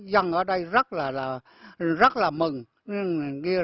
dân ở đây rất là mừng